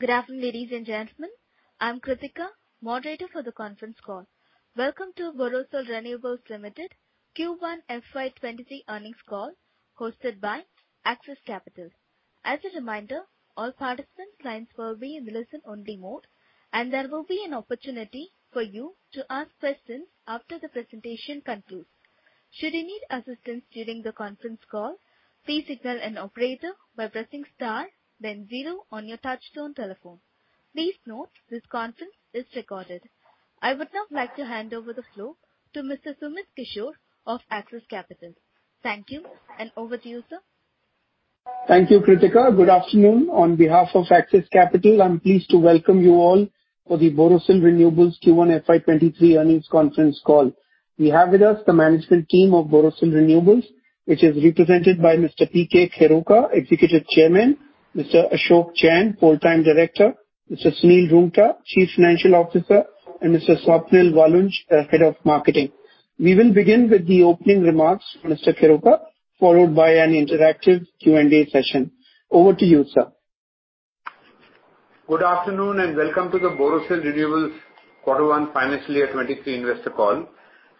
Good afternoon, ladies and gentlemen. I'm Kritika, moderator for the conference call. Welcome to Borosil Renewables Limited Q1 FY 2023 earnings call hosted by Axis Capital. As a reminder, all participant lines will be in listen only mode, and there will be an opportunity for you to ask questions after the presentation concludes. Should you need assistance during the conference call, please signal an operator by pressing star then zero on your touchtone telephone. Please note this conference is recorded. I would now like to hand over the floor to Mr. Sumit Kishore of Axis Capital. Thank you, and over to you, sir. Thank you, Kritika. Good afternoon. On behalf of Axis Capital, I'm pleased to welcome you all for the Borosil Renewables Q1 FY 2023 earnings conference call. We have with us the management team of Borosil Renewables, which is represented by Mr. P. K. Kheruka, Executive Chairman, Mr. Ashok Jain, Whole-time Director, Mr. Sunil Roongta, Chief Financial Officer, and Mr. Swapnil Walunj, Head of Marketing. We will begin with the opening remarks from Mr. Kheruka, followed by an interactive Q&A session. Over to you, sir. Good afternoon and welcome to the Borosil Renewables quarter 1 financial year 2023 investor call.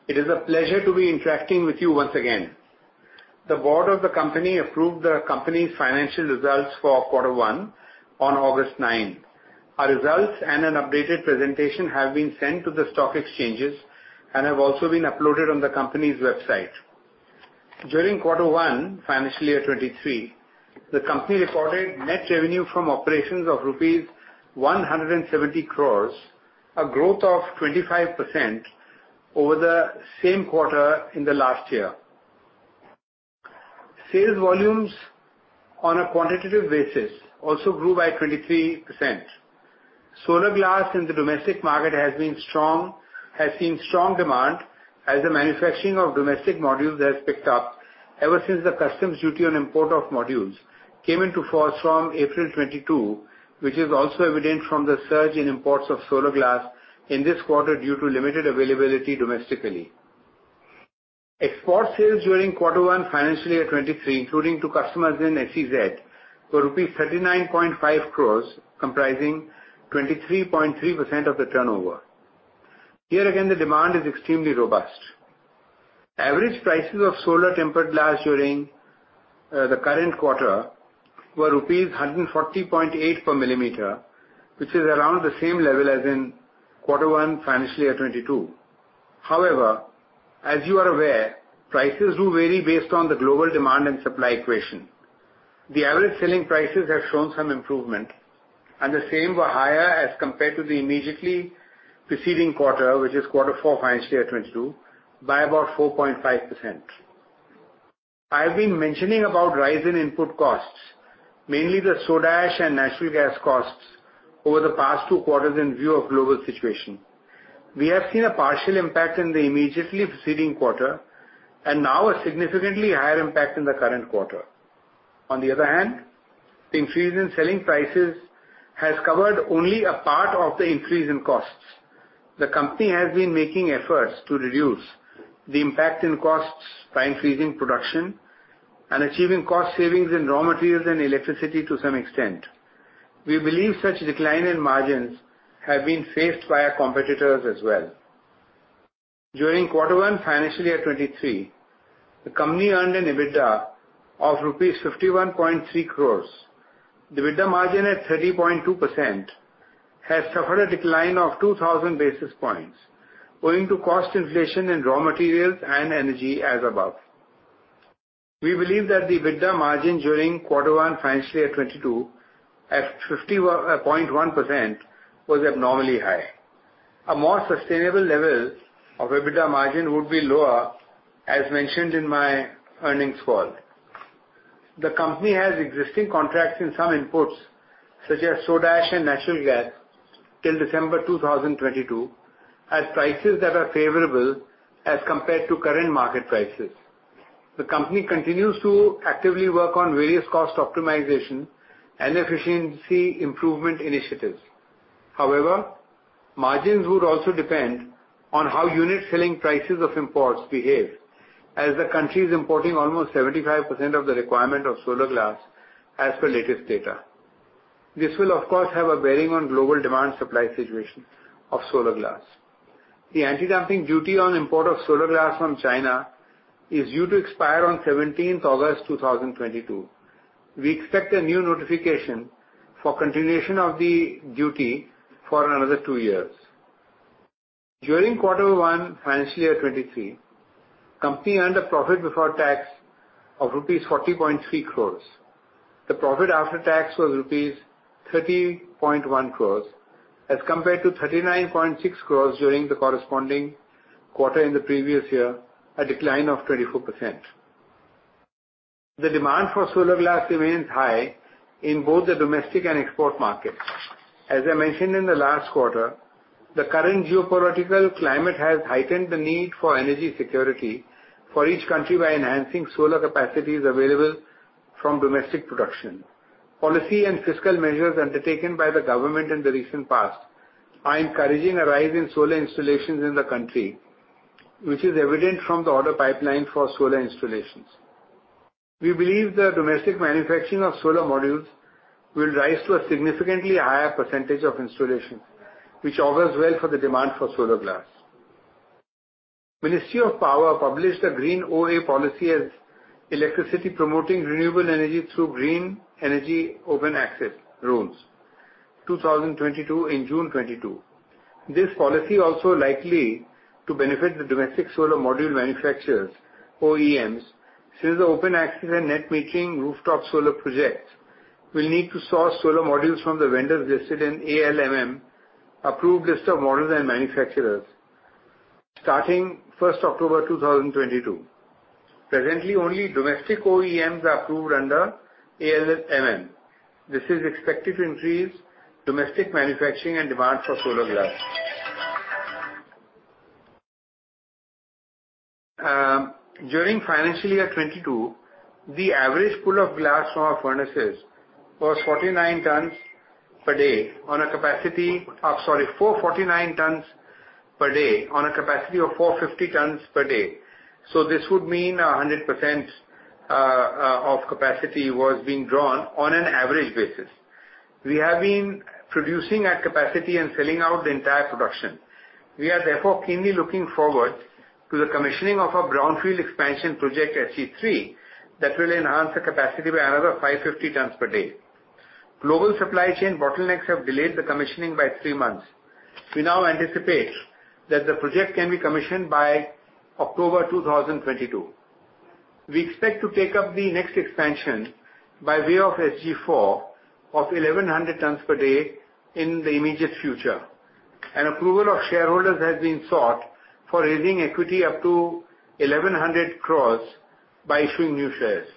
It is a pleasure to be interacting with you once again. The board of the company approved the company's financial results for quarter 1 on August 9. Our results and an updated presentation have been sent to the stock exchanges and have also been uploaded on the company's website. During quarter 1 financial year 2023, the company recorded net revenue from operations of rupees 170 crore, a growth of 25% over the same quarter in the last year. Sales volumes on a quantitative basis also grew by 23%. Solar glass in the domestic market has been strong, has seen strong demand as the manufacturing of domestic modules has picked up ever since the customs duty on import of modules came into force from April 2022, which is also evident from the surge in imports of solar glass in this quarter due to limited availability domestically. Export sales during quarter one financial year 2023, including to customers in SEZ, were rupees 39.5 crores, comprising 23.3% of the turnover. Here again, the demand is extremely robust. Average prices of solar tempered glass during the current quarter were rupees 140.8 per millimeter, which is around the same level as in quarter one financial year 2022. However, as you are aware, prices do vary based on the global demand and supply equation. The average selling prices have shown some improvement, and the same were higher as compared to the immediately preceding quarter, which is quarter 4 financial year 2022, by about 4.5%. I've been mentioning about rise in input costs, mainly the soda ash and natural gas costs, over the past 2 quarters in view of global situation. We have seen a partial impact in the immediately preceding quarter, and now a significantly higher impact in the current quarter. On the other hand, the increase in selling prices has covered only a part of the increase in costs. The company has been making efforts to reduce the impact in costs by increasing production and achieving cost savings in raw materials and electricity to some extent. We believe such decline in margins have been faced by our competitors as well. During quarter one financial year 2023, the company earned an EBITDA of 51.3 crore rupees. The EBITDA margin at 30.2% has suffered a decline of 2,000 basis points owing to cost inflation in raw materials and energy as above. We believe that the EBITDA margin during quarter one financial year 2022 at 51.1% was abnormally high. A more sustainable level of EBITDA margin would be lower as mentioned in my earnings call. The company has existing contracts in some inputs such as soda ash and natural gas till December 2022 at prices that are favorable as compared to current market prices. The company continues to actively work on various cost optimization and efficiency improvement initiatives. However, margins would also depend on how unit selling prices of imports behave, as the country is importing almost 75% of the requirement of solar glass as per latest data. This will of course have a bearing on global demand supply situation of solar glass. The anti-dumping duty on import of solar glass from China is due to expire on 17th August 2022. We expect a new notification for continuation of the duty for another two years. During quarter 1 financial year 2023, company earned a profit before tax of rupees 40.3 crores. The profit after tax was rupees 30.1 crores as compared to 39.6 crores during the corresponding quarter in the previous year, a decline of 24%. The demand for solar glass remains high in both the domestic and export markets. As I mentioned in the last quarter, the current geopolitical climate has heightened the need for energy security for each country by enhancing solar capacities available from domestic production. Policy and fiscal measures undertaken by the government in the recent past are encouraging a rise in solar installations in the country, which is evident from the order pipeline for solar installations. We believe the domestic manufacturing of solar modules will rise to a significantly higher percentage of installation, which augurs well for the demand for solar glass. Ministry of Power published a Green Energy Open Access policy as Electricity (Promoting Renewable Energy Through Green Energy Open Access) Rules, 2022 in June 2022. This policy also likely to benefit the domestic solar module manufacturers, OEMs. Since the open access and net metering rooftop solar projects will need to source solar modules from the vendors listed in ALMM, Approved List of Models and Manufacturers, starting first October 2022. Presently, only domestic OEMs are approved under ALMM. This is expected to increase domestic manufacturing and demand for solar glass. During financial year 2022, the average pull of glass from our furnaces was 449 tons per day on a capacity of 450 tons per day. This would mean 100% of capacity was being drawn on an average basis. We have been producing at capacity and selling out the entire production. We are therefore keenly looking forward to the commissioning of our greenfield expansion project, SG3, that will enhance the capacity by another 550 tons per day. Global supply chain bottlenecks have delayed the commissioning by three months. We now anticipate that the project can be commissioned by October 2022. We expect to take up the next expansion by way of SG4 of 1,100 tons per day in the immediate future. An approval of shareholders has been sought for raising equity up to 1,100 crores by issuing new shares.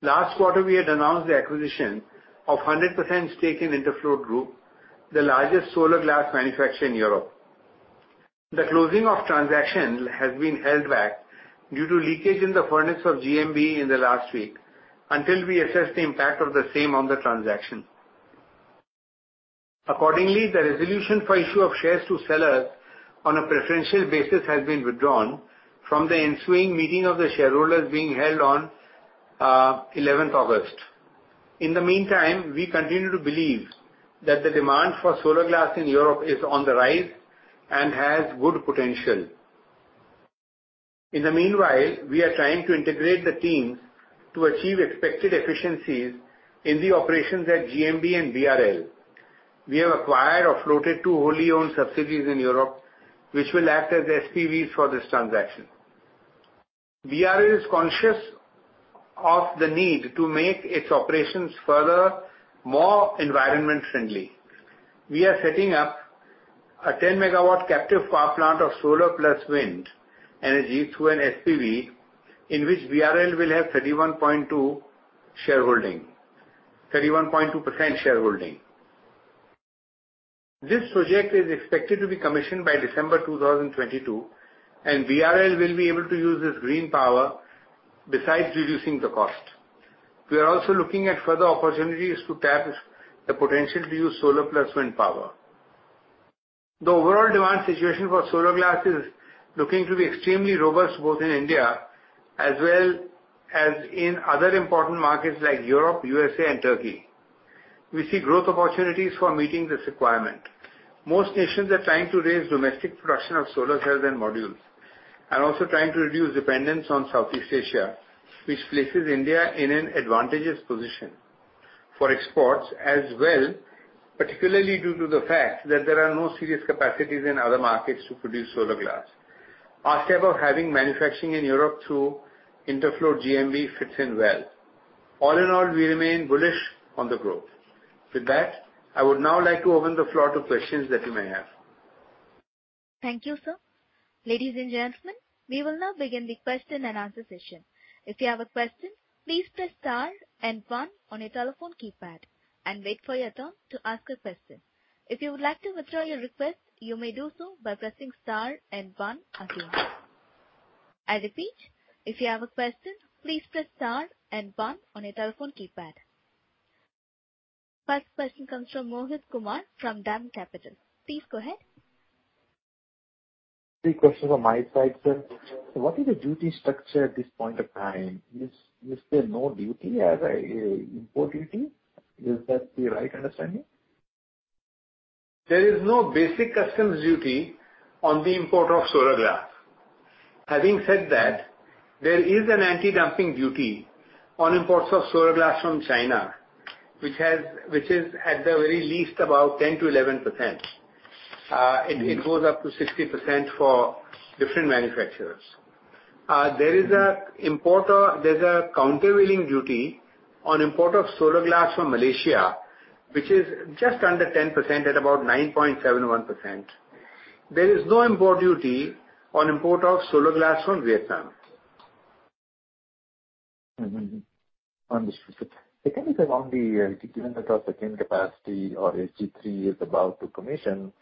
Last quarter, we had announced the acquisition of 100% stake in Interfloat Group, the largest solar glass manufacturer in Europe. The closing of transaction has been held back due to leakage in the furnace of GMB in the last week until we assess the impact of the same on the transaction. Accordingly, the resolution for issue of shares to sellers on a preferential basis has been withdrawn from the ensuing meeting of the shareholders being held on 11 August. In the meantime, we continue to believe that the demand for solar glass in Europe is on the rise and has good potential. In the meanwhile, we are trying to integrate the teams to achieve expected efficiencies in the operations at GMB and BRL. We have acquired or floated two wholly owned subsidiaries in Europe, which will act as SPVs for this transaction. BRL is conscious of the need to make its operations further more environment friendly. We are setting up a 10-megawatt captive power plant of solar plus wind energy through an SPV, in which BRL will have 31.2 shareholding, 31.2% shareholding. This project is expected to be commissioned by December 2022, and BRL will be able to use this green power besides reducing the cost. We are also looking at further opportunities to tap the potential to use solar plus wind power. The overall demand situation for solar glass is looking to be extremely robust, both in India as well as in other important markets like Europe, USA and Turkey. We see growth opportunities for meeting this requirement. Most nations are trying to raise domestic production of solar cells and modules, and also trying to reduce dependence on Southeast Asia, which places India in an advantageous position for exports as well, particularly due to the fact that there are no serious capacities in other markets to produce solar glass. Our step of having manufacturing in Europe through Interfloat GmbH fits in well. All in all, we remain bullish on the growth. With that, I would now like to open the floor to questions that you may have. Thank you, sir. Ladies and gentlemen, we will now begin the question-and-answer session. If you have a question, please press star and one on your telephone keypad and wait for your turn to ask a question. If you would like to withdraw your request, you may do so by pressing star and one again. I repeat, if you have a question, please press star and one on your telephone keypad. First question comes from Mohit Kumar from DAM Capital. Please go ahead. Three questions on my side, sir. What is the duty structure at this point of time? Is there no duty as an import duty? Is that the right understanding? There is no basic customs duty on the import of solar glass. Having said that, there is an anti-dumping duty on imports of solar glass from China, which is at the very least about 10%-11%. It goes up to 60% for different manufacturers. There's a countervailing duty on import of solar glass from Malaysia, which is just under 10% at about 9.71%. There is no import duty on import of solar glass from Vietnam. Understood, sir. Second is around the 10 megawatt second capacity or SG3 is about to commission.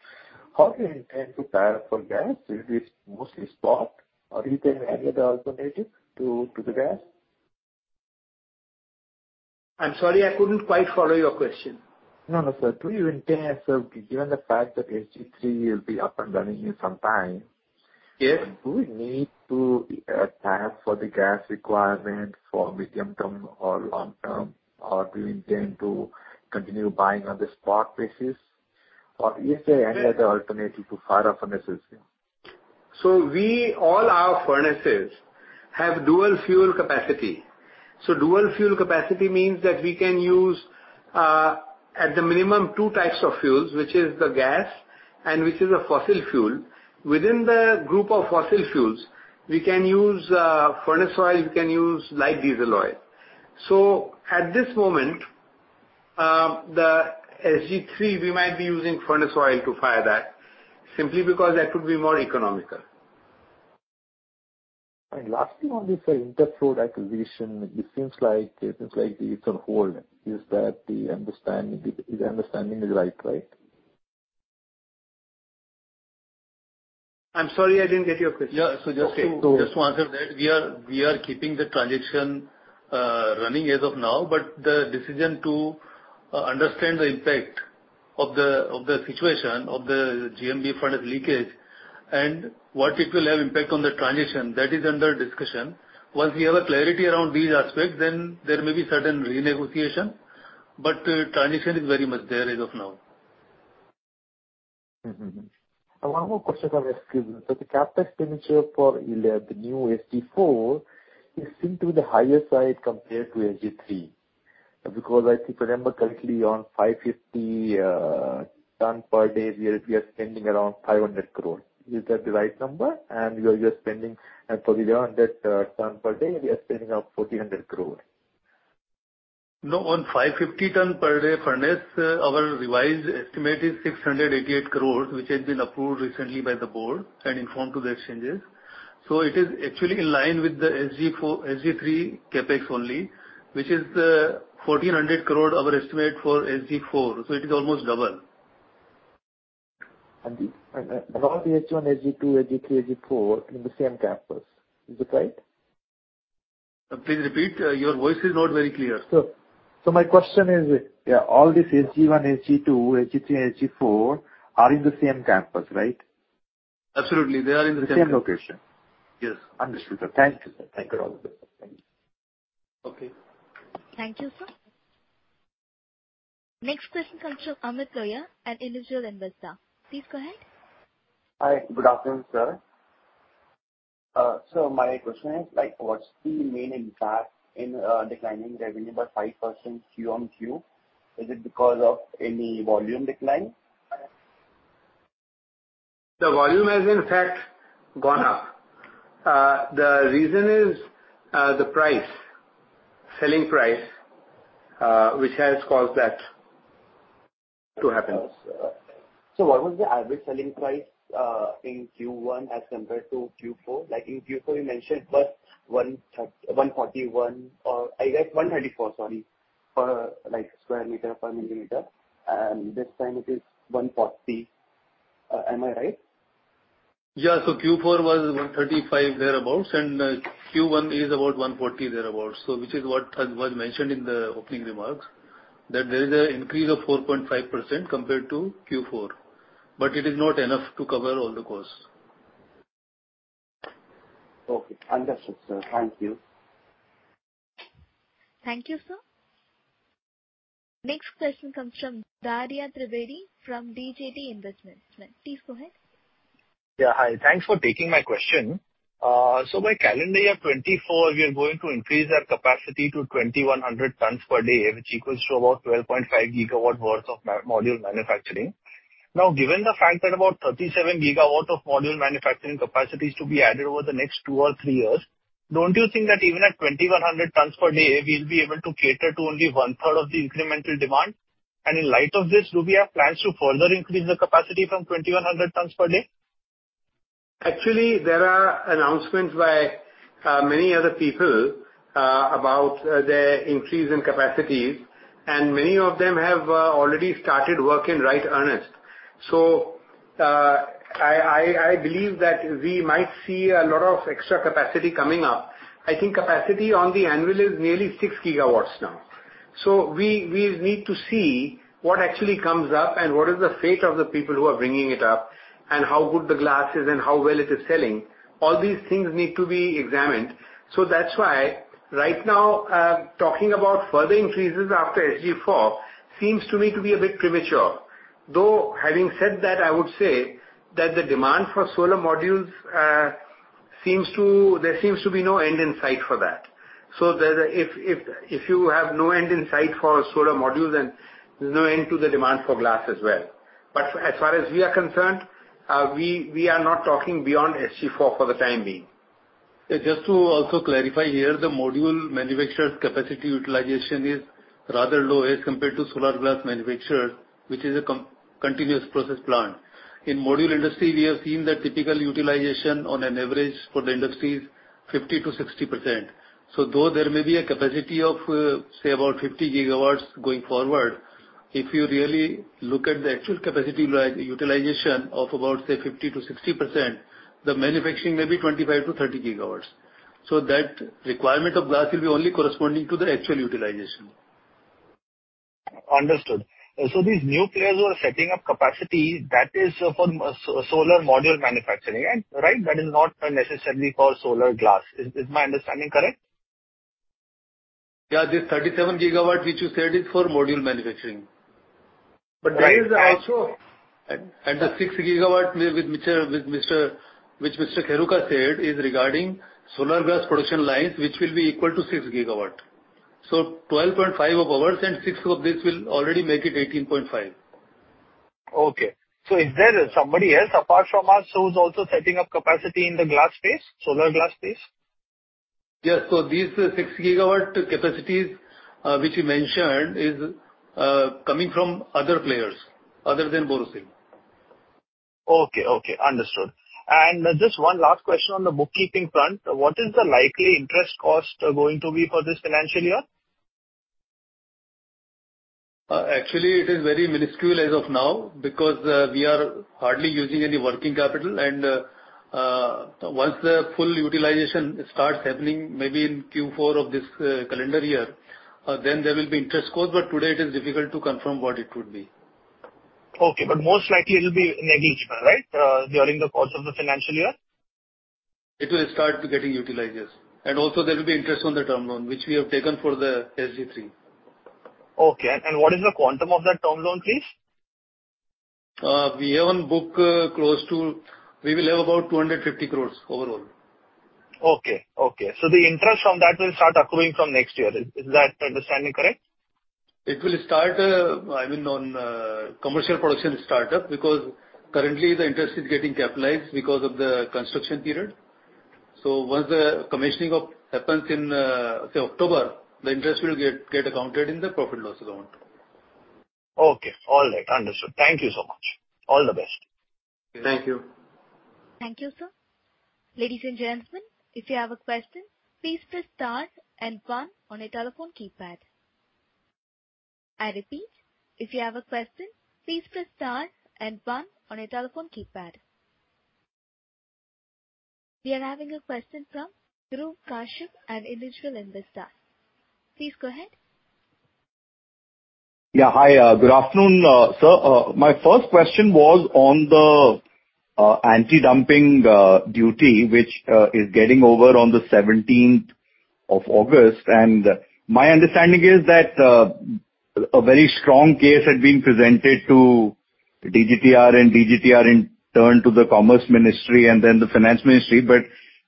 How do you intend to tie up for gas? Is it mostly spot or you can add other alternative to the gas? I'm sorry, I couldn't quite follow your question. No, no, sir. Do you intend, so given the fact that SG3 will be up and running in some time? Yes. Do we need to plan for the gas requirement for medium-term or long-term, or do you intend to continue buying on the spot basis? Or is there any other alternative to fire up furnaces? All our furnaces have dual fuel capacity. Dual fuel capacity means that we can use at the minimum two types of fuels, which is the gas and which is a fossil fuel. Within the group of fossil fuels, we can use furnace oil, we can use light diesel oil. At this moment, the SG3, we might be using furnace oil to fire that simply because that could be more economical. Lastly on this Interfloat acquisition, it seems like it's on hold. Is that the understanding? Is my understanding is right? I'm sorry, I didn't get your question. Yeah. Okay. Just to answer that, we are keeping the transition running as of now. The decision to understand the impact of the situation of the GMB furnace leakage and what it will have impact on the transition is under discussion. Once we have a clarity around these aspects, there may be certain renegotiation, but transition is very much there as of now. One more question from Askub. The CapEx expenditure for the new SG4 is seen to be on the higher side compared to SG3. Because I think, remember correctly, on 550 ton per day, we are spending around 500 crore. Is that the right number? You are just spending for the 300 ton per day, we are spending up to 1,400 crore. No. On 550 ton per day furnace, our revised estimate is 688 crore, which has been approved recently by the board and informed to the exchanges. It is actually in line with the SG4-SG3 CapEx only, which is 1,400 crore our estimate for SG4. It is almost double. All the SG one, SG two, SG three, SG four in the same campus. Is it right? Please repeat. Your voice is not very clear. My question is, all these SG one, SG two, SG three and SG four are in the same campus, right? Absolutely. They are in the same. The same location. Yes. Understood, sir. Thank you, sir. Thank you. Okay. Thank you, sir. Next question comes from Amit Loya at Individual Investor. Please go ahead. Hi. Good afternoon, sir. My question is, like, what's the main impact in declining revenue by 5% Q on Q? Is it because of any volume decline? The volume has in fact gone up. The reason is, the price, selling price, which has caused that to happen. What was the average selling price in Q1 as compared to Q4? Like in Q4 you mentioned plus one forty-one or I guess one thirty-four, sorry, for like square meter per millimeter and this time it is one forty. Am I right? Yeah. Q4 was 135 thereabout, and Q1 is about 140 thereabout. Which is what was mentioned in the opening remarks, that there is an increase of 4.5% compared to Q4. It is not enough to cover all the costs. Okay. Understood, sir. Thank you. Thank you, sir. Next question comes from Daria Trivedi from DJT Investments. Please go ahead. Yeah. Hi. Thanks for taking my question. So by calendar year 2024 we are going to increase our capacity to 2,100 tons per day, which equals to about 12.5 GW worth of module manufacturing. Now, given the fact that about 37 GW of module manufacturing capacity is to be added over the next 2 or 3 years, don't you think that even at 2,100 tons per day, we'll be able to cater to only 1/3 of the incremental demand? In light of this, do we have plans to further increase the capacity from 2,100 tons per day? Actually, there are announcements by many other people about their increase in capacities and many of them have already started work in right earnest. I believe that we might see a lot of extra capacity coming up. I think capacity on the annual is nearly 6 gigawatts now. We need to see what actually comes up and what is the fate of the people who are bringing it up and how good the glass is and how well it is selling. All these things need to be examined. That's why right now talking about further increases after SG4 seems to me to be a bit premature. Though having said that, I would say that the demand for solar modules there seems to be no end in sight for that. If you have no end in sight for solar modules, then there's no end to the demand for glass as well. As far as we are concerned, we are not talking beyond SG 4 for the time being. Just to also clarify here, the module manufacturer's capacity utilization is rather low as compared to solar glass manufacturer, which is a continuous process plant. In module industry, we have seen that typical utilization on an average for the industry is 50%-60%. Though there may be a capacity of, say about 50 gigawatts going forward. If you really look at the actual capacity utilization of about, say 50%-60%, the manufacturing may be 25-30 gigawatts. That requirement of glass will be only corresponding to the actual utilization. Understood. These new players who are setting up capacity, that is for solar module manufacturing, right? That is not necessarily for solar glass. Is my understanding correct? Yeah. The 37 gigawatts which you said is for module manufacturing. There is also. The 6 GW which Mr. Kheruka said is regarding solar glass production lines, which will be equal to 6 GW. 12.5 of ours and 6 of this will already make it 18.5. Okay. Is there somebody else apart from us who's also setting up capacity in the glass space, solar glass space? Yes. These 6 gigawatt capacities, which you mentioned is coming from other players other than Borosil. Okay. Understood. Just one last question on the bookkeeping front. What is the likely interest cost going to be for this financial year? Actually it is very minuscule as of now because we are hardly using any working capital. Once the full utilization starts happening, maybe in Q4 of this calendar year, then there will be interest cost. Today it is difficult to confirm what it would be. Okay. Most likely it will be negligible, right, during the course of the financial year? It will start getting utilized, yes. Also there will be interest on the term loan which we have taken for the SG3. Okay. What is the quantum of that term loan, please? We will have about 250 crores overall. Okay. The interest from that will start accruing from next year. Is that understanding correct? It will start, I mean, on commercial production startup, because currently the interest is getting capitalized because of the construction period. Once the commissioning happens in, say October, the interest will get accounted in the profit loss amount. Okay. All right. Understood. Thank you so much. All the best. Thank you. Thank you, sir. Ladies and gentlemen, if you have a question, please press star and one on your telephone keypad. I repeat, if you have a question, please press star and one on your telephone keypad. We are having a question from Dhruv Kashyap, an individual investor. Please go ahead. Yeah. Hi. Good afternoon, sir. My first question was on the anti-dumping duty, which is getting over on the seventeenth of August. My understanding is that a very strong case had been presented to DGTR and DGTR in turn to the Commerce Ministry and then the Finance Ministry.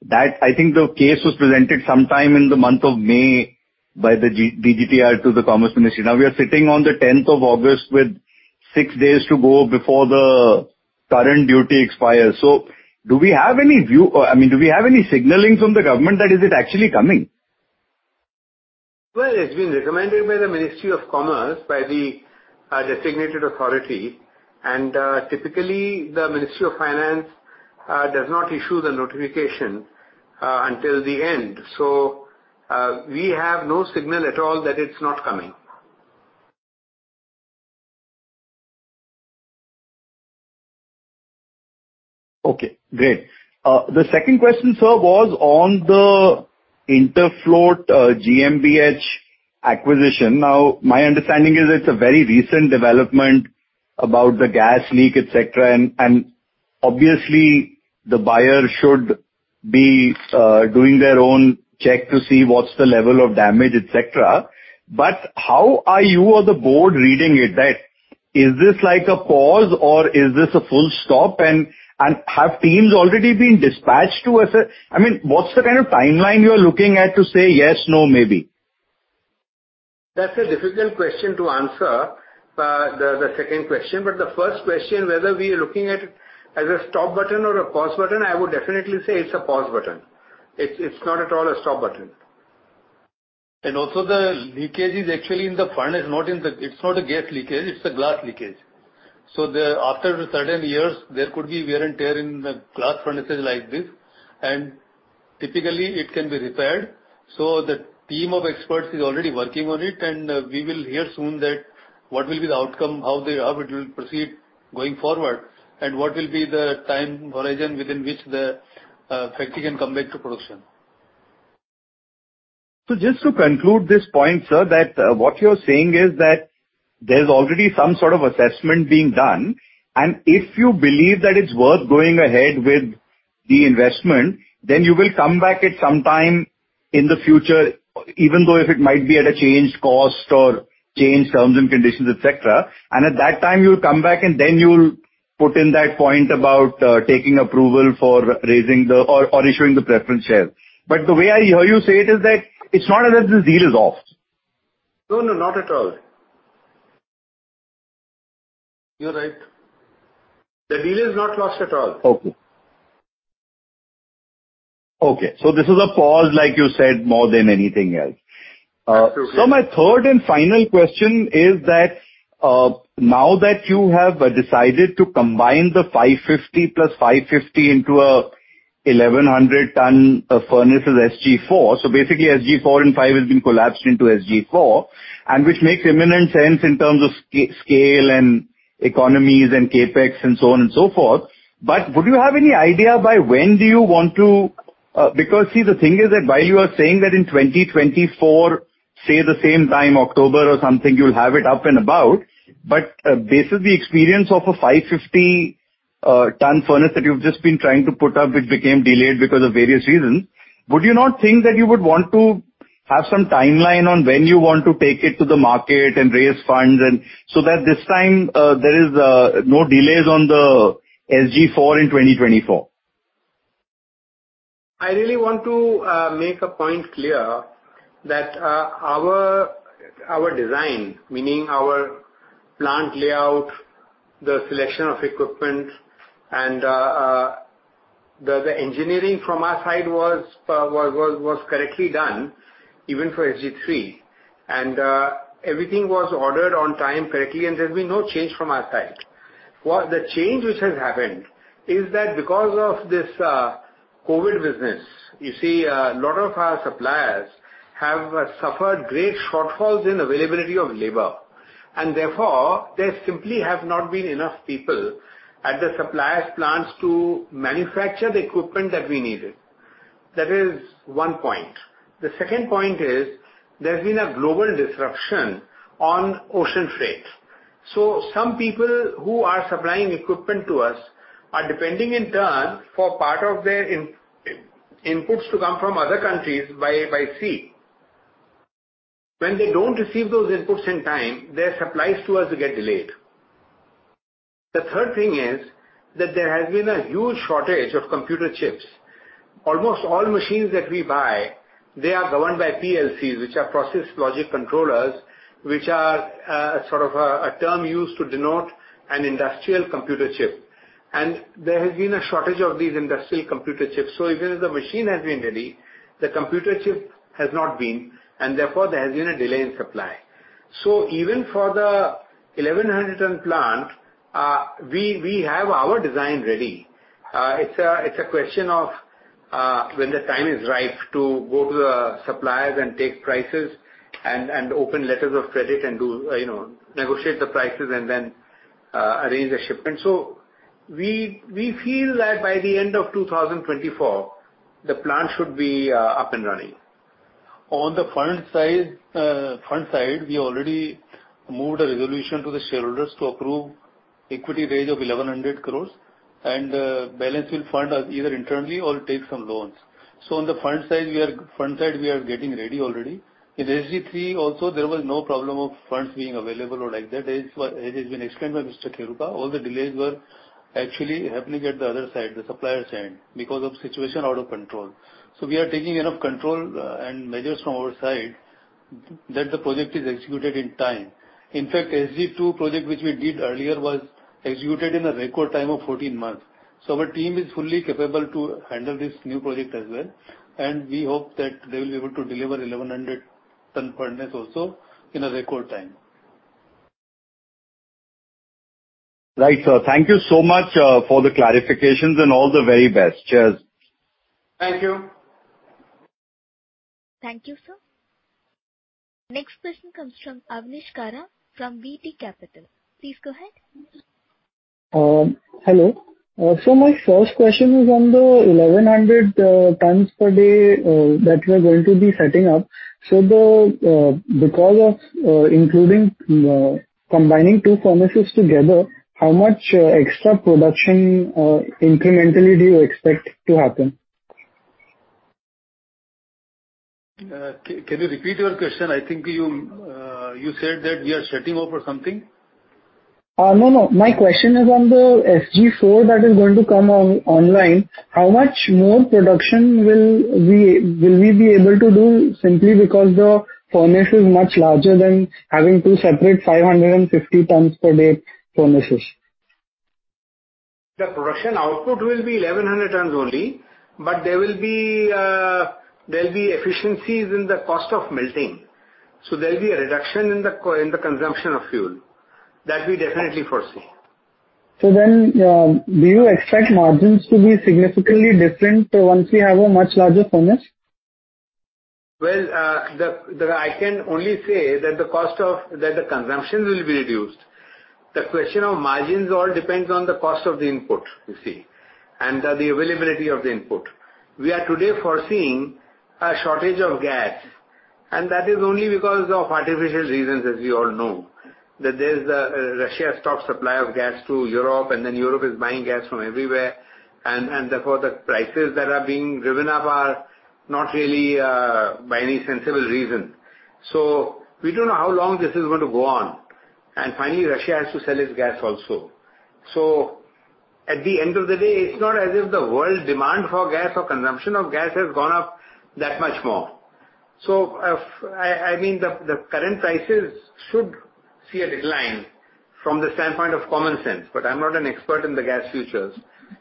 That I think the case was presented sometime in the month of May by the DGTR to the Commerce Ministry. Now we are sitting on the tenth of August with six days to go before the current duty expires. Do we have any view or, I mean, do we have any signaling from the government that it is actually coming? Well, it's been recommended by the Ministry of Commerce, by the designated authority, and typically the Ministry of Finance does not issue the notification until the end. We have no signal at all that it's not coming. Okay, great. The second question, sir, was on the Interfloat GmbH acquisition. Now, my understanding is it's a very recent development about the gas leak, et cetera. Obviously the buyer should be doing their own check to see what's the level of damage, et cetera. But how are you or the board reading it that is this like a pause or is this a full stop? Have teams already been dispatched to assess. I mean, what's the kind of timeline you are looking at to say yes, no, maybe? That's a difficult question to answer. The second question, but the first question, whether we are looking at it as a stop button or a pause button, I would definitely say it's a pause button. It's not at all a stop button. Also the leakage is actually in the furnace. It's not a gas leakage, it's a glass leakage. After certain years there could be wear and tear in the glass furnaces like this, and typically it can be repaired. The team of experts is already working on it. We will hear soon that what will be the outcome, how it will proceed going forward, and what will be the time horizon within which the factory can come back to production. Just to conclude this point, sir, that what you're saying is that there's already some sort of assessment being done, and if you believe that it's worth going ahead with the investment, then you will come back at some time in the future, even though if it might be at a changed cost or changed terms and conditions, et cetera. At that time you'll come back and then you'll put in that point about taking approval for or issuing the preference share. The way I hear you say it is that it's not as if this deal is off. No, no, not at all. You're right. The deal is not lost at all. Okay. This is a pause, like you said, more than anything else. Absolutely. My third and final question is that, now that you have decided to combine the 550 plus 550 into an 1,100-ton furnace SG4. Basically SG4 and SG5 has been collapsed into SG4, and which makes immense sense in terms of scale and economies and CapEx and so on and so forth. Would you have any idea by when do you want to? Because see the thing is that while you are saying that in 2024, say the same time, October or something, you'll have it up and about, this is the experience of a 550-ton furnace that you've just been trying to put up, which became delayed because of various reasons. Would you not think that you would want to have some timeline on when you want to take it to the market and raise funds and so that this time, there is no delays on the SG4 in 2024? I really want to make a point clear that our design, meaning our plant layout, the selection of equipment and the engineering from our side was correctly done even for SG3. Everything was ordered on time correctly and there's been no change from our side. What the change which has happened is that because of this COVID business, you see a lot of our suppliers have suffered great shortfalls in availability of labor, and therefore, there simply have not been enough people at the suppliers' plants to manufacture the equipment that we needed. That is one point. The second point is there's been a global disruption on ocean freight. Some people who are supplying equipment to us are depending in turn for part of their in-inputs to come from other countries by sea. When they don't receive those inputs in time, their supplies to us get delayed. The third thing is that there has been a huge shortage of computer chips. Almost all machines that we buy, they are governed by PLCs, which are process logic controllers, which are sort of a term used to denote an industrial computer chip. There has been a shortage of these industrial computer chips. Even if the machine has been ready, the computer chip has not been, and therefore there has been a delay in supply. Even for the 1,100 ton plant, we have our design ready. It's a question of when the time is right to go to the suppliers and take prices and open letters of credit and do, you know, negotiate the prices and then arrange the shipment. We feel that by the end of 2024, the plant should be up and running. On the front side, we already moved a resolution to the shareholders to approve equity raise of 1,100 crores and the balance will fund us either internally or take some loans. On the front side, we are getting ready already. In SG3 also there was no problem of funds being available or like that. As has been explained by Mr. Kheruka, all the delays were actually happening at the other side, the supplier side, because of situation out of control. We are taking enough control and measures from our side that the project is executed in time. In fact, SG2 project, which we did earlier, was executed in a record time of 14 months. Our team is fully capable to handle this new project as well, and we hope that they will be able to deliver 1,100-ton furnace also in a record time. Right, sir. Thank you so much for the clarifications and all the very best. Cheers. Thank you. Thank you, sir. Next question comes from Avnish Kara from BT Capital. Please go ahead. Hello. My first question is on the 1,100 tons per day that you are going to be setting up. Because of combining two furnaces together, how much extra production incrementally do you expect to happen? Can you repeat your question? I think you said that we are shutting off or something. No, no. My question is on the SG4 that is going to come online, how much more production will we be able to do simply because the furnace is much larger than having two separate 550 tons per day furnaces? The production output will be 1,100 tons only, but there'll be efficiencies in the cost of melting. There'll be a reduction in the consumption of fuel. That we definitely foresee. Do you expect margins to be significantly different once we have a much larger furnace? Well, I can only say that the consumptions will be reduced. The question of margins all depends on the cost of the input, you see, and the availability of the input. We are today foreseeing a shortage of gas, and that is only because of artificial reasons, as we all know, that there's Russia stopped supply of gas to Europe, and then Europe is buying gas from everywhere. And therefore, the prices that are being driven up are not really by any sensible reason. We don't know how long this is going to go on. Finally, Russia has to sell its gas also. At the end of the day, it's not as if the world demand for gas or consumption of gas has gone up that much more. If... I mean, the current prices should see a decline from the standpoint of common sense. I'm not an expert in the gas futures.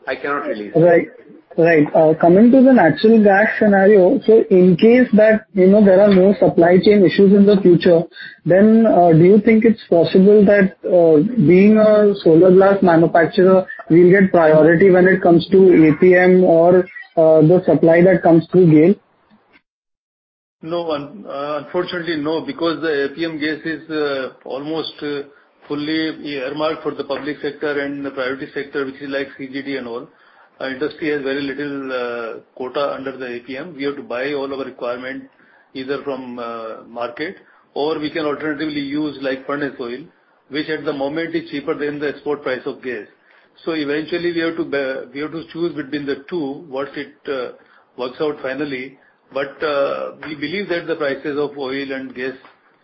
I cannot really say. Coming to the natural gas scenario, in case that, you know, there are more supply chain issues in the future, then do you think it's possible that, being a solar glass manufacturer, we'll get priority when it comes to APM or the supply that comes through GAIL? No, unfortunately, no, because the APM gas is almost fully earmarked for the public sector and the priority sector, which is like CGD and all. Our industry has very little quota under the APM. We have to buy all our requirement either from market or we can alternatively use like furnace oil, which at the moment is cheaper than the export price of gas. Eventually we have to choose between the two, what it works out finally. We believe that the prices of oil and gas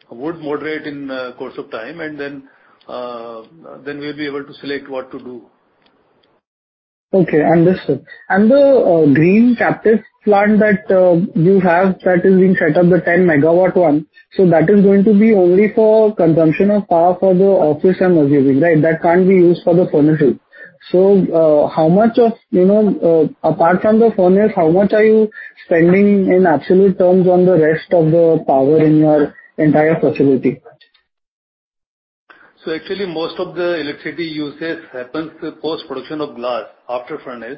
would moderate in the course of time and then we'll be able to select what to do. Okay, understood. The green captive plant that you have that is being set up, the 10 MW one, is going to be only for consumption of power for the office, I'm assuming, right? That can't be used for the furnace oil. How much of, you know, apart from the furnace, how much are you spending in absolute terms on the rest of the power in your entire facility? Actually most of the electricity usage happens post-production of glass, after furnace.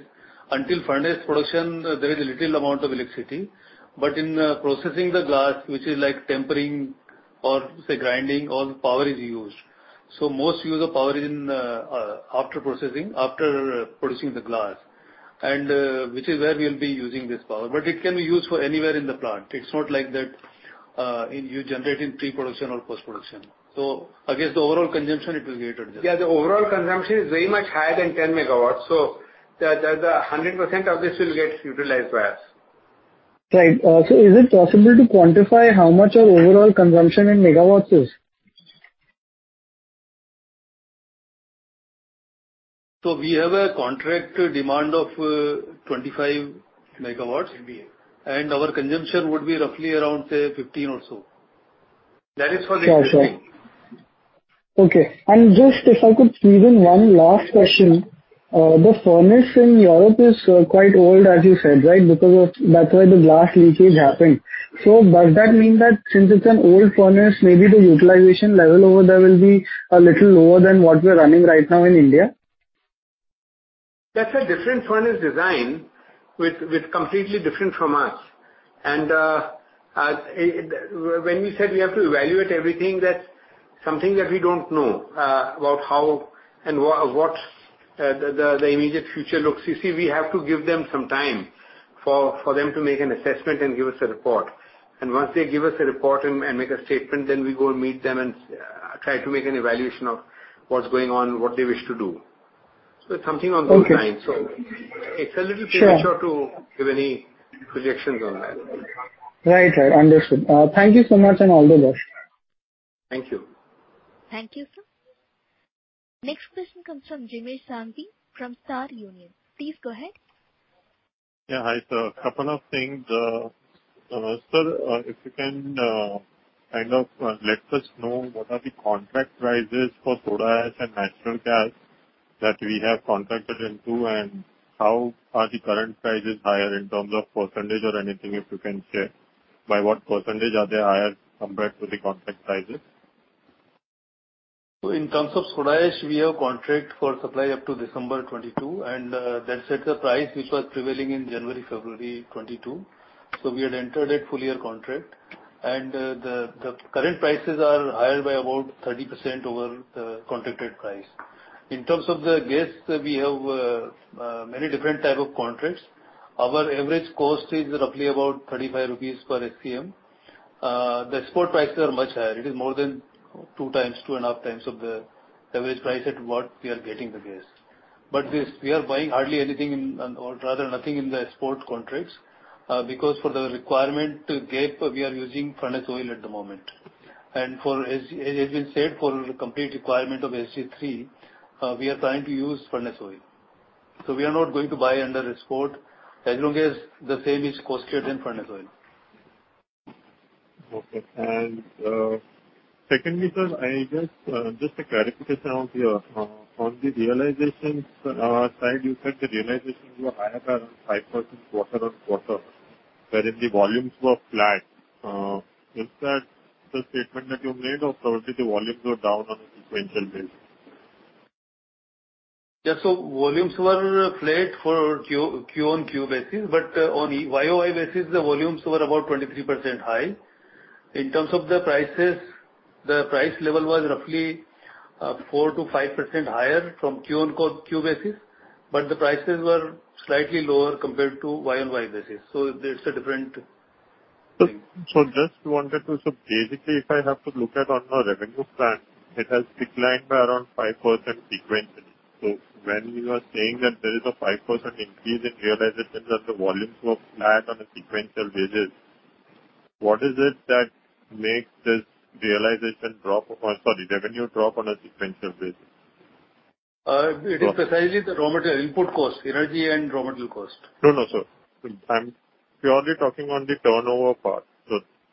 Until furnace production, there is a little amount of electricity. In processing the glass, which is like tempering or, say, grinding, all the power is used. Most use of power is in after processing, after producing the glass, and which is where we will be using this power. It can be used for anywhere in the plant. It's not like that you generate in pre-production or post-production. Against the overall consumption it will get adjusted. Yeah, the overall consumption is very much higher than 10 megawatts. The 100% of this will get utilized by us. Right. Also, is it possible to quantify how much our overall consumption in megawatts is? We have a contract demand of 25 megawatts. MVA. Our consumption would be roughly around, say, 15 or so. That is for the existing. Okay. Just if I could squeeze in one last question. The furnace in Europe is quite old, as you said, right? That's why the glass leakage happened. Does that mean that since it's an old furnace, maybe the utilization level over there will be a little lower than what we are running right now in India? That's a different furnace design with completely different from us. When we said we have to evaluate everything, that's something that we don't know about how and what the immediate future looks. You see, we have to give them some time for them to make an assessment and give us a report. Once they give us a report and make a statement, we go and meet them and try to make an evaluation of what's going on, what they wish to do. It's something on those lines. Okay. It's a little. Sure. Premature to give any projections on that. Right. Right. Understood. Thank you so much and all the best. Thank you. Thank you, sir. Next question comes from Jimmy Sandhi from Star Union. Please go ahead. Yeah, hi, sir. A couple of things. Sir, if you can kind of let us know what are the contract prices for soda ash and natural gas that we have contracted into and how are the current prices higher in terms of percentage or anything if you can share. By what percentage are they higher compared to the contract prices? In terms of soda ash, we have contract for supply up to December 2022, and that sets a price which was prevailing in January, February 2022. We had entered a full year contract. The current prices are higher by about 30% over the contracted price. In terms of the gas, we have many different type of contracts. Our average cost is roughly about 35 rupees per SCM. The export prices are much higher. It is more than 2 times, 2.5 times of the average price at what we are getting the gas. But this, we are buying hardly anything in, or rather nothing in the export contracts, because for the requirement to get, we are using furnace oil at the moment. As we said, for complete requirement of SG3, we are trying to use furnace oil. We are not going to buy under export as long as the same is costed in furnace oil. Okay. Secondly, sir, I just a clarification on the realizations side you said the realizations were higher by around 5% quarter-on-quarter, wherein the volumes were flat. Is that the statement that you made or probably the volumes were down on a sequential basis? Yeah. Volumes were flat for Q-on-Q basis, but on Y-on-Y basis, the volumes were about 23% high. In terms of the prices, the price level was roughly 4%-5% higher from Q-on-Q basis, but the prices were slightly lower compared to Y-on-Y basis. There's a different thing. Basically if I have to look at on a revenue front, it has declined by around 5% sequentially. When you are saying that there is a 5% increase in realization, that the volumes were flat on a sequential basis, what is it that makes this realization drop, or sorry, revenue drop on a sequential basis? It is precisely the raw material input cost, energy and raw material cost. No, no, sir. I'm purely talking on the turnover part.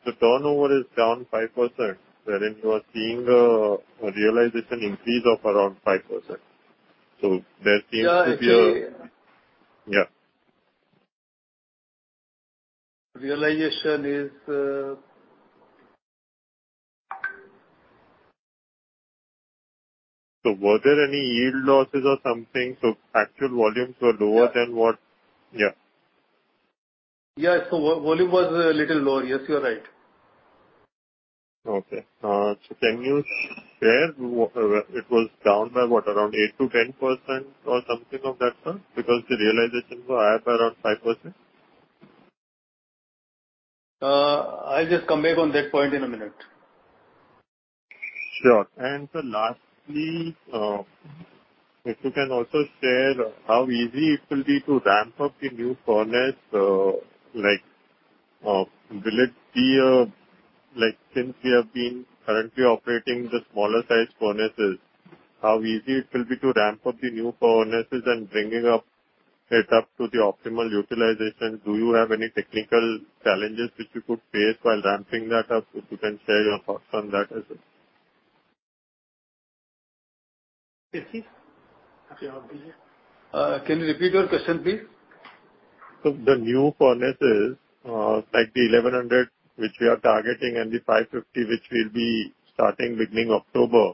The turnover is down 5%, wherein you are seeing a realization increase of around 5%. There seems to be. Yeah. Yeah. Realization is. Were there any yield losses or something, so actual volumes were lower than what? Yeah. Yeah. Yeah. Volume was a little lower. Yes, you are right. Can you share it was down by what? Around 8%-10% or something of that sort? Because the realizations were up around 5%. I'll just come back on that point in a minute. Sure. Sir, lastly, if you can also share how easy it will be to ramp up the new furnace. Like, will it be like, since you have been currently operating the smaller size furnaces, how easy it will be to ramp up the new furnaces and bringing it up to the optimal utilization? Do you have any technical challenges which you could face while ramping that up? If you can share your thoughts on that as well. Excuse me. I can't hear you. Can you repeat your question, please? The new furnaces, like the 1100 which we are targeting and the 500 which will be starting beginning October,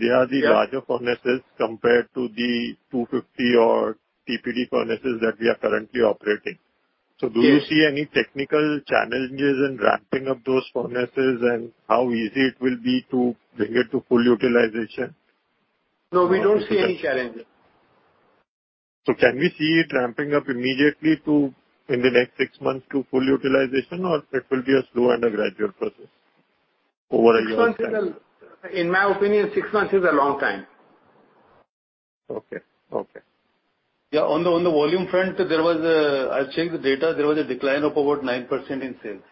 they are the- Yeah. larger furnaces compared to the 200 TPD furnaces that we are currently operating. Yes. Do you see any technical challenges in ramping up those furnaces and how easy it will be to bring it to full utilization? No, we don't see any challenges. Can we see it ramping up immediately to in the next six months to full utilization or it will be a slow and a gradual process over a given time? In my opinion, six months is a long time. Okay. Okay. Yeah, on the volume front, I checked the data, there was a decline of about 9% in sales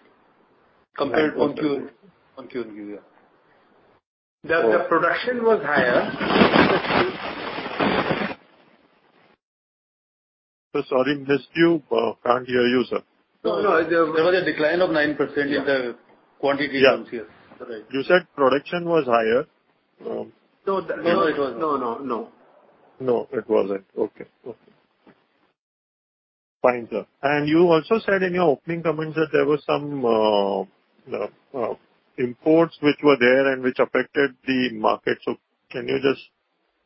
compared on Q-on-Q, yeah. The production was higher. Sorry, miss you. Can't hear you, sir. No, no. There, there was a decline of 9% in the quantity terms, yeah. Yeah. You said production was higher. No, no. No, it wasn't. Okay. Okay. Fine, sir. You also said in your opening comments that there were some imports which were there and which affected the market, so can you just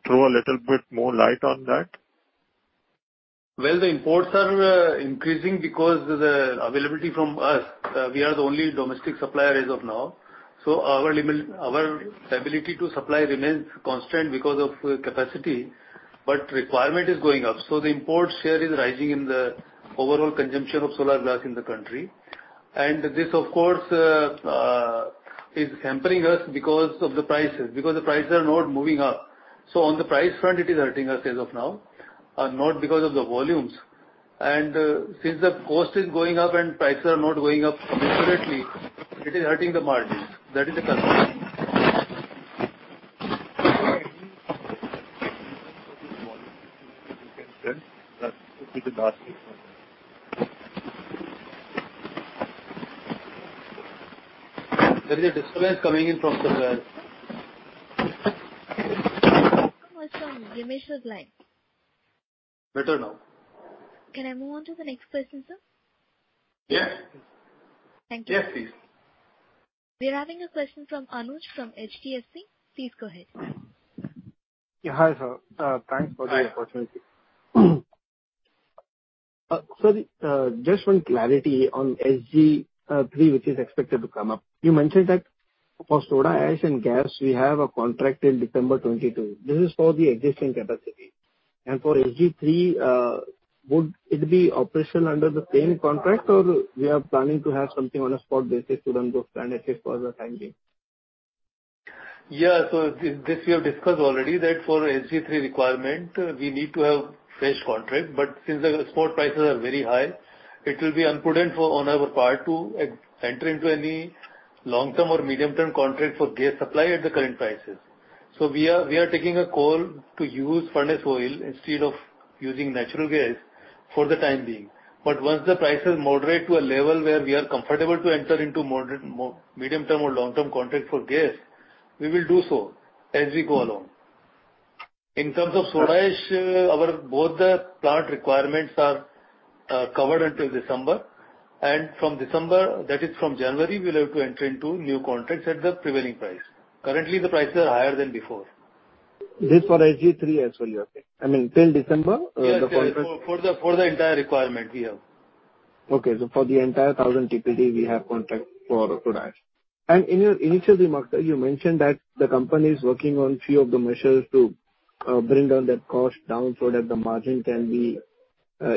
throw a little bit more light on that? Well, the imports are increasing because of the availability from us. We are the only domestic supplier as of now, so our ability to supply remains constant because of capacity, but requirement is going up. The import share is rising in the overall consumption of solar glass in the country. This of course is hampering us because of the prices, because the prices are not moving up. On the price front it is hurting us as of now, not because of the volumes. Since the cost is going up and prices are not going up proportionately, it is hurting the margins. That is the concern. There is a disturbance coming in from sir's end. Welcome back from Jimish's line. Better now. Can I move on to the next question, sir? Yeah. Thank you. Yes, please. We are having a question from Anuj from HDFC. Please go ahead. Yeah. Hi sir. Thanks for the opportunity. Hi. Just one clarity on SG3, which is expected to come up. You mentioned that for soda ash and gas we have a contract till December 2022. This is for the existing capacity. For SG3, would it be operational under the same contract or we are planning to have something on a spot basis to run those plants for the time being? Yeah. This we have discussed already that for SG3 requirement, we need to have fresh contract. Since the spot prices are very high, it will be imprudent on our part to enter into any long-term or medium-term contract for gas supply at the current prices. We are taking a call to use furnace oil instead of using natural gas for the time being. Once the prices moderate to a level where we are comfortable to enter into medium-term or long-term contract for gas, we will do so as we go along. In terms of soda ash, both our plant requirements are covered until December. From December, that is from January, we'll have to enter into new contracts at the prevailing price. Currently, the prices are higher than before. This for SG3 as well, you are saying? I mean, till December, the contract- Yes, yes. For the entire requirement we have. Okay. For the entire 1,000 TPD, we have contract for soda ash. In your initial remarks, you mentioned that the company is working on few of the measures to bring down that cost so that the margin can be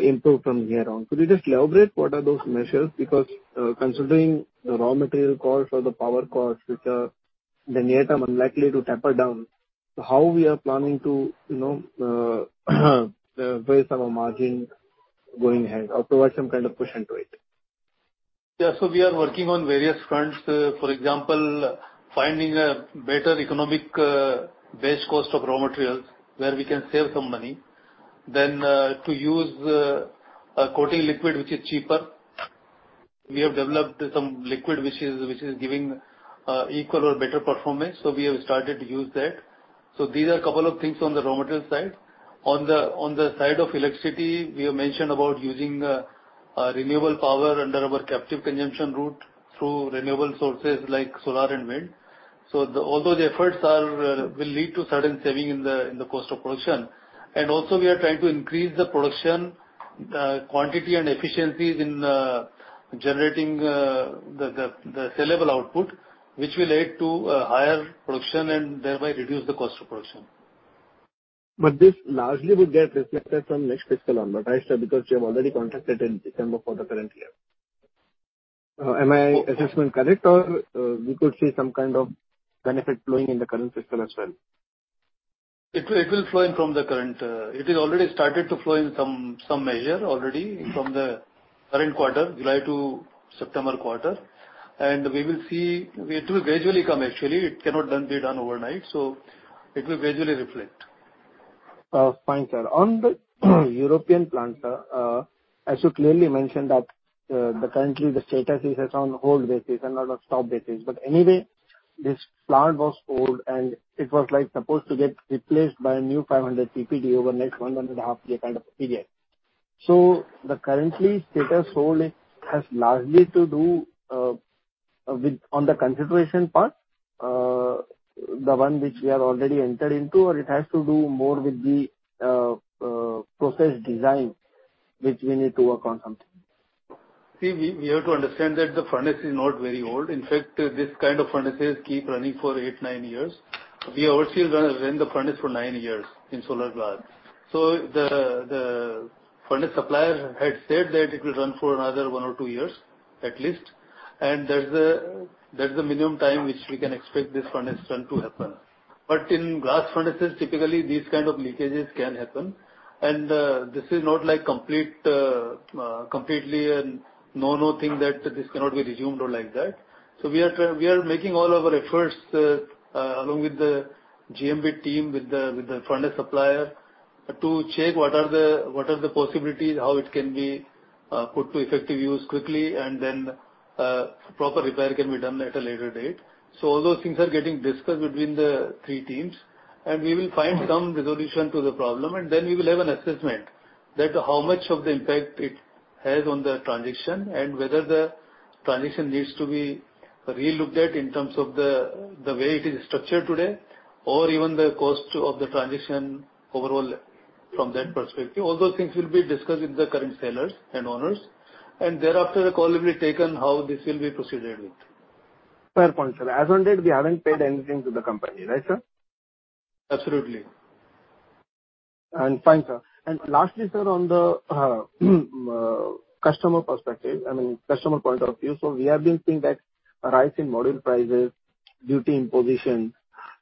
improved from here on. Could you just elaborate what are those measures? Because, considering the raw material costs or the power costs, which are in the near term unlikely to taper down, how we are planning to raise our margin going ahead or provide some kind of cushion to it? We are working on various fronts. For example, finding a better economical base cost of raw materials where we can save some money. Then, to use a coating liquid which is cheaper. We have developed some liquid which is giving equal or better performance. We have started to use that. These are a couple of things on the raw material side. On the side of electricity, we have mentioned about using our renewable power under our captive consumption route through renewable sources like solar and wind. All those efforts will lead to certain saving in the cost of production. We are trying to increase the production quantity and efficiencies in generating the sellable output, which will lead to higher production and thereby reduce the cost of production. This largely would get reflected from next fiscal on, right, sir? Because you have already contracted in December for the current year. Is my assessment correct or, we could see some kind of benefit flowing in the current fiscal as well? It will flow in from the current. It is already started to flow in some measure already from the current quarter, July to September quarter. We will see. It will gradually come actually. It cannot be done overnight, so it will gradually reflect. Oh, fine, sir. On the European plant, as you clearly mentioned that, the current status is as on hold basis and not on stop basis. But anyway, this plant was old and it was like supposed to get replaced by a new 500 TPD over the next 1.5-year kind of a period. The current status hold has largely to do with on the consideration part, the one which we have already entered into or it has to do more with the process design which we need to work on something? See, we have to understand that the furnace is not very old. In fact, this kind of furnaces keep running for 8-9 years. We ourselves ran the furnace for 9 years in solar glass. The furnace supplier had said that it will run for another 1 or 2 years at least, and there's a minimum time which we can expect this furnace run to happen. In glass furnaces, typically these kind of leakages can happen. This is not like completely a no-no thing that this cannot be resumed or like that. We are making all our efforts, along with the GMB team, with the furnace supplier to check what are the possibilities, how it can be put to effective use quickly and then proper repair can be done at a later date. All those things are getting discussed between the three teams and we will find some resolution to the problem and then we will have an assessment of how much of the impact it has on the transition and whether the transition needs to be relooked at in terms of the way it is structured today or even the cost of the transition overall from that perspective. All those things will be discussed with the current sellers and owners and thereafter a call will be taken how this will be proceeded with. Fair point, sir. As on date, we haven't paid anything to the company, right, sir? Absolutely. Fine, sir. Lastly, sir, on the customer perspective, I mean, customer point of view. We have been seeing that a rise in module prices, duty imposition,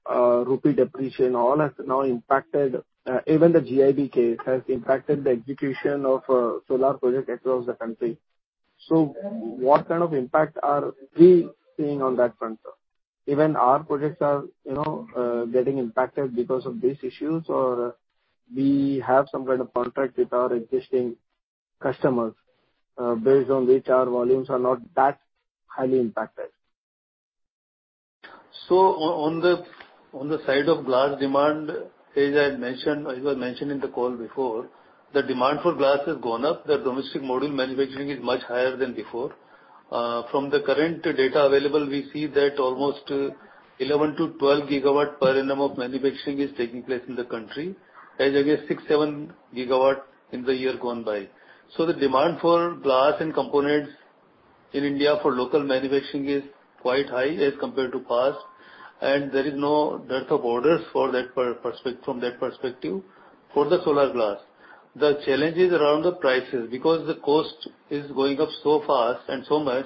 rupee depreciation, all has now impacted, even the GIB case has impacted the execution of solar projects across the country. What kind of impact are we seeing on that front, sir? Even our projects are, you know, getting impacted because of these issues, or we have some kind of contract with our existing customers, based on which our volumes are not that highly impacted. On the side of glass demand, as I had mentioned, as you were mentioning in the call before, the demand for glass has gone up. The domestic module manufacturing is much higher than before. From the current data available, we see that almost 11-12 gigawatt per annum of manufacturing is taking place in the country as against 6-7 gigawatt in the year gone by. The demand for glass and components in India for local manufacturing is quite high as compared to past, and there is no dearth of orders for that from that perspective for the solar glass. The challenge is around the prices because the cost is going up so fast and so much,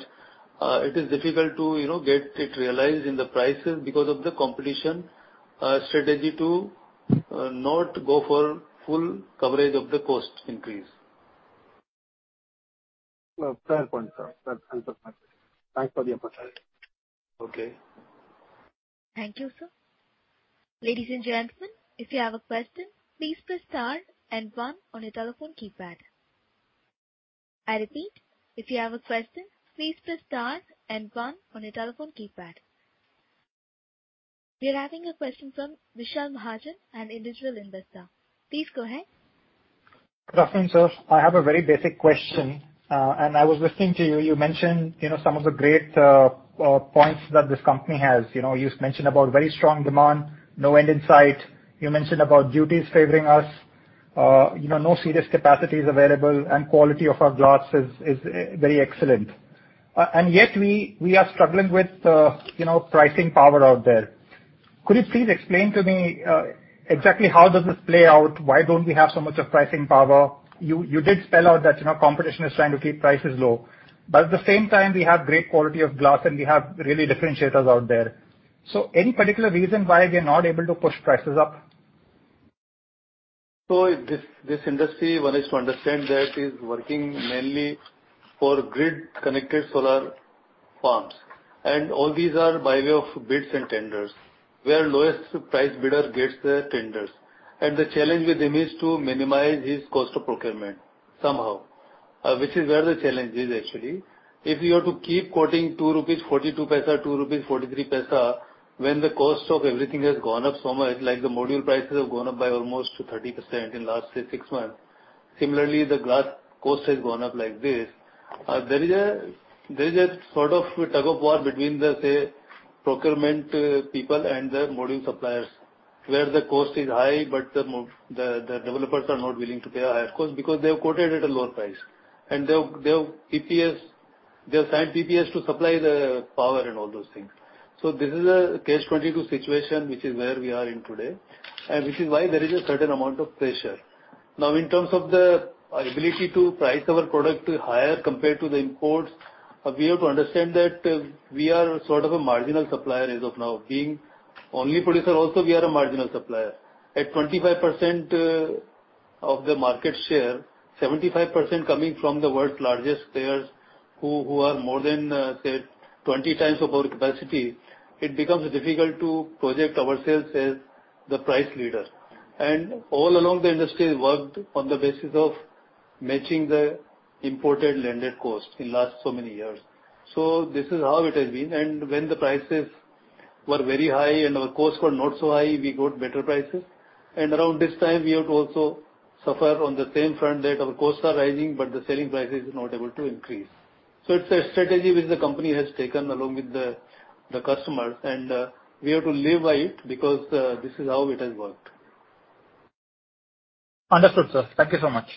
it is difficult to, you know, get it realized in the prices because of the competition strategy to not go for full coverage of the cost increase. Well, fair point, sir. That's understandable. Thanks for the opportunity. Okay. Thank you, sir. Ladies and gentlemen, if you have a question, please press star and one on your telephone keypad. I repeat, if you have a question, please press star and one on your telephone keypad. We are having a question from Vishal Mahajan, an individual investor. Please go ahead. Good afternoon, sir. I have a very basic question. I was listening to you. You mentioned, you know, some of the great points that this company has. You know, you mentioned about very strong demand, no end in sight. You mentioned about duties favoring us. You know, no serious capacities available and quality of our glass is very excellent. Yet we are struggling with, you know, pricing power out there. Could you please explain to me exactly how does this play out? Why don't we have so much of pricing power? You did spell out that, you know, competition is trying to keep prices low. At the same time we have great quality of glass and we have really differentiators out there. Any particular reason why we are not able to push prices up? This industry one is to understand that is working mainly for grid connected solar farms. All these are by way of bids and tenders, where lowest price bidder gets the tenders. The challenge with him is to minimize his cost of procurement somehow, which is where the challenge is actually. If you are to keep quoting 2.42 rupees, 2.43 rupees when the cost of everything has gone up so much, like the module prices have gone up by almost 30% in last, say, 6 months. Similarly, the glass cost has gone up like this. There is a sort of a tug-of-war between the, say, procurement people and the module suppliers, where the cost is high, but the developers are not willing to pay a higher cost because they have quoted at a lower price. They have PPA, they have signed PPA to supply the power and all those things. This is a catch-22 situation, which is where we are in today, and which is why there is a certain amount of pressure. Now, in terms of the ability to price our product higher compared to the imports, we have to understand that we are sort of a marginal supplier as of now. Being only producer also we are a marginal supplier. At 25% of the market share, 75% coming from the world's largest players who are more than, say, 20 times of our capacity, it becomes difficult to project ourselves as the price leader. All along the industry worked on the basis of matching the imported landed cost in last so many years. This is how it has been. When the prices were very high and our costs were not so high, we got better prices. Around this time we have to also suffer on the same front that our costs are rising, but the selling price is not able to increase. It's a strategy which the company has taken along with the customers, and we have to live by it because this is how it has worked. Understood, sir. Thank you so much.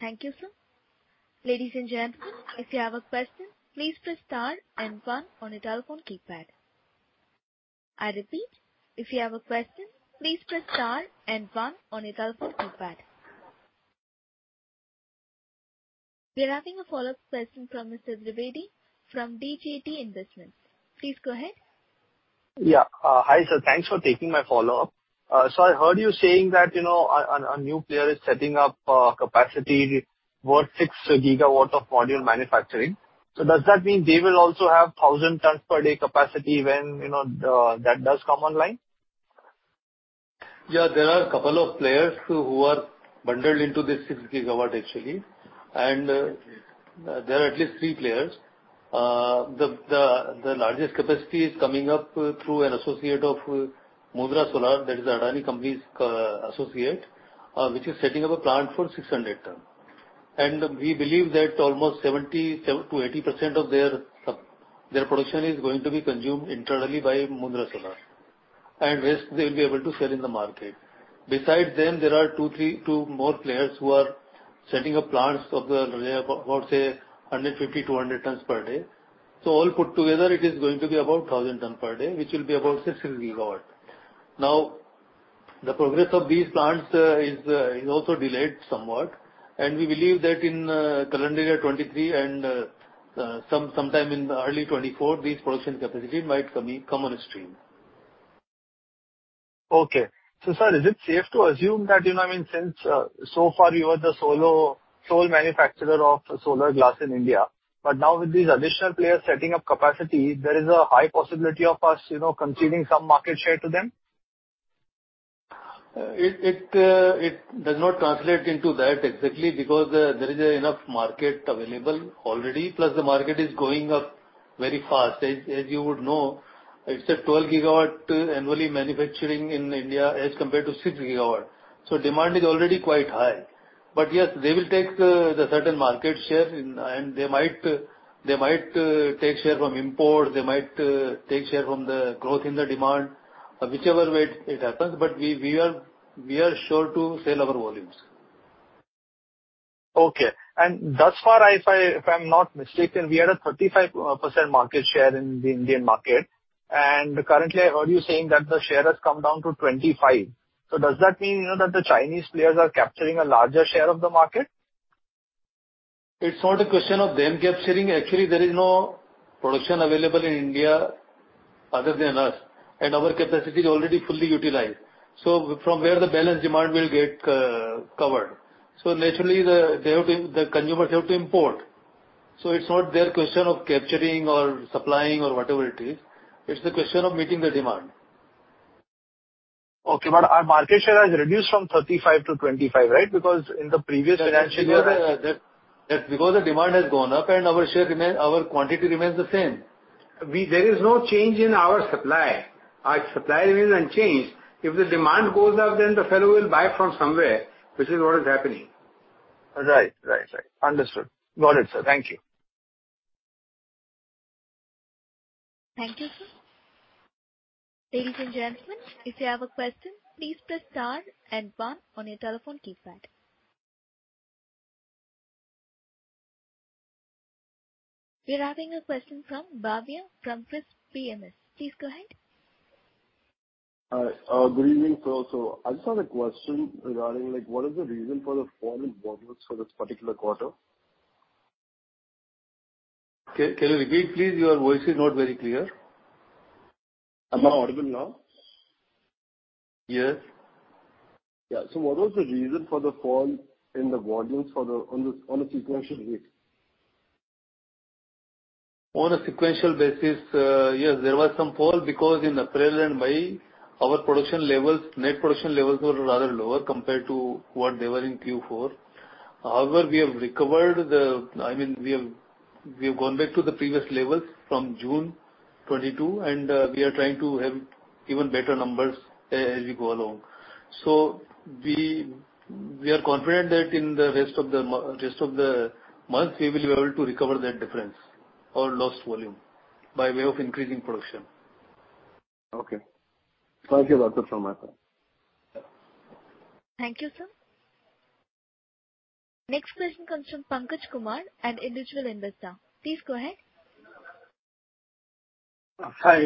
Thank you, sir. Ladies and gentlemen, if you have a question, please press star and one on your telephone keypad. I repeat, if you have a question, please press star and one on your telephone keypad. We are having a follow-up question from Mr. Trivedi from DJT Investments. Please go ahead. Hi, sir. Thanks for taking my follow-up. I heard you saying that, you know, a new player is setting up capacity worth 6 gigawatts of module manufacturing. Does that mean they will also have 1,000 tons per day capacity when, you know, that does come online? Yeah. There are a couple of players who are bundled into this 6 gigawatts actually, and there are at least three players. The largest capacity is coming up through an associate of Mundra Solar, that is Adani Group's associate, which is setting up a plant for 600 tons. We believe that almost 70%-80% of their production is going to be consumed internally by Mundra Solar, and rest they'll be able to sell in the market. Besides them, there are two, three, two more players who are setting up plants of about say 150-200 tons per day. All put together, it is going to be about 1,000 tons per day, which will be about 6 gigawatts. Now, the progress of these plants is also delayed somewhat, and we believe that in calendar year 2023 and sometime in early 2024, these production capacity might come on stream. Okay. Sir, is it safe to assume that, you know, I mean, since so far you are the sole manufacturer of solar glass in India, but now with these additional players setting up capacity, there is a high possibility of us, you know, conceding some market share to them? It does not translate into that exactly because there is enough market available already, plus the market is going up very fast. As you would know, it's a 12 GW annually manufacturing in India as compared to 6 GW. So demand is already quite high. Yes, they will take the certain market share and they might take share from import, they might take share from the growth in the demand, whichever way it happens, but we are sure to sell our volumes. Okay. Thus far, if I'm not mistaken, we had a 35% market share in the Indian market, and currently I heard you saying that the share has come down to 25%. Does that mean, you know, that the Chinese players are capturing a larger share of the market? It's not a question of them capturing. Actually, there is no production available in India other than us, and our capacity is already fully utilized. From where the balance demand will get covered? Naturally, the consumers have to import. It's not their question of capturing or supplying or whatever it is. It's the question of meeting the demand. Okay. Our market share has reduced from 35% to 25%, right? Because in the previous financial year. That's because the demand has gone up and our quantity remains the same. There is no change in our supply. Our supply remains unchanged. If the demand goes up, then the fellow will buy from somewhere, which is what is happening. Right. Understood. Got it, sir. Thank you. Thank you, sir. Ladies and gentlemen, if you have a question, please press star and one on your telephone keypad. We are having a question from Bhavya from Crisp PMS. Please go ahead. Hi. Good evening, sir. I just had a question regarding, like, what is the reason for the fall in volumes for this particular quarter? Can you repeat, please? Your voice is not very clear. Am I audible now? Yes. Yeah. What was the reason for the fall in the volumes on a sequential basis? On a sequential basis, yes, there was some fall because in April and May, our production levels, net production levels were rather lower compared to what they were in Q4. However, we have recovered. I mean, we have gone back to the previous levels from June 2022, and we are trying to have even better numbers as we go along. We are confident that in the rest of the month, we will be able to recover that difference or lost volume by way of increasing production. Okay. Thank you. That's all for my part. Thank you, sir. Next question comes from Pankaj Kumar, an individual investor. Please go ahead. Hi.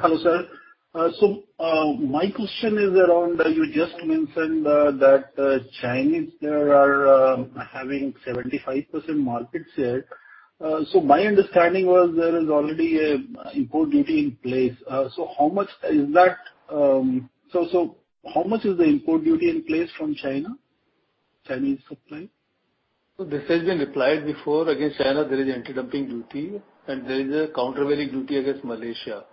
Hello, sir. My question is around you just mentioned that Chinese they are having 75% market share. My understanding was there is already a import duty in place. How much is that? How much is the import duty in place from China? Chinese supply? This has been replied before. Against China, there is anti-dumping duty and there is a countervailing duty against Malaysia.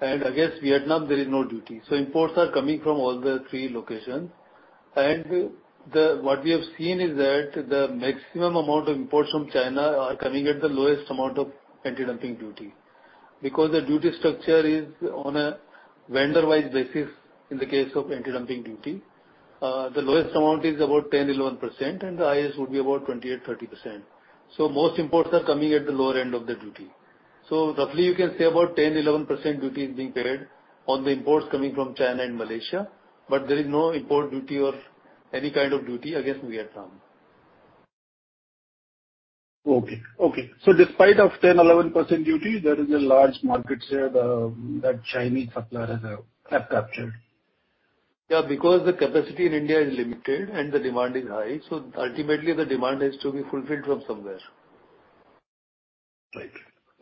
Against Vietnam, there is no duty. Imports are coming from all three locations. What we have seen is that the maximum amount of imports from China are coming at the lowest amount of anti-dumping duty. Because the duty structure is on a vendor-wise basis in the case of anti-dumping duty, the lowest amount is about 10, 11%, and the highest would be about 20%-30%. Most imports are coming at the lower end of the duty. Roughly you can say about 10, 11% duty is being paid on the imports coming from China and Malaysia, but there is no import duty or any kind of duty against Vietnam. Despite of 10%-11% duty, there is a large market share that Chinese supplier have captured. Yeah, because the capacity in India is limited and the demand is high, so ultimately the demand has to be fulfilled from somewhere. Right.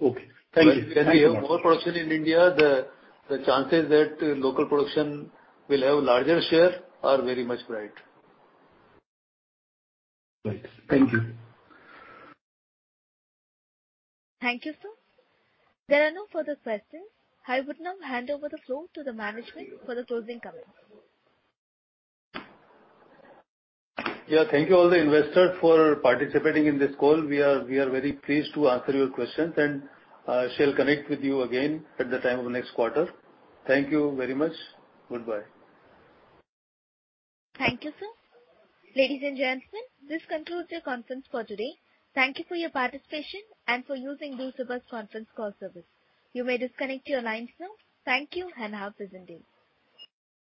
Okay. Thank you. Thank you so much. When we have more production in India, the chances that local production will have a larger share are very much bright. Right. Thank you. Thank you, sir. There are no further questions. I would now hand over the floor to the management for the closing comments. Yeah. Thank you all the investors for participating in this call. We are very pleased to answer your questions and shall connect with you again at the time of next quarter. Thank you very much. Goodbye. Thank you, sir. Ladies and gentlemen, this concludes your conference for today. Thank you for your participation and for using Chorus Call Service. You may disconnect your lines now. Thank you, and have a pleasant day.